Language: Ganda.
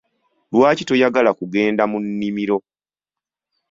Lwaki toyagala kugenda mu nnimiro?